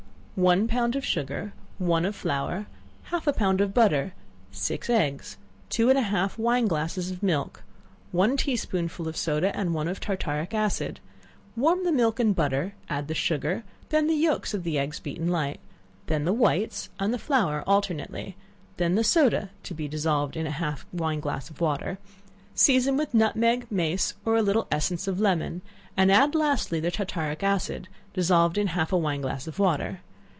One pound of sugar, one of flour, half a pound of butter, six eggs, two and a half wine glasses of milk, one tea spoonful of soda and one of tartaric acid; warm the milk and butter; add the sugar, then the yelks of the eggs beaten light, then the whites and the flour alternately, then the soda, (to be dissolved in half a wine glass of water;) season with nutmeg, mace, or a little essence of lemon, and add lastly, the tartaric acid, dissolved in half a wine glass of water.